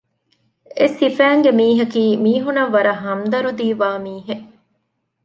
އެސިފައިންގެ މީހަކީ މީހުނަށް ވަރަށް ހަމްދަރުދީވާ މީހެއް